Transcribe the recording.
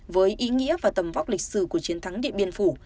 với ý nghĩa và tầm vóc lịch sử của chiến thắng điện biên phủ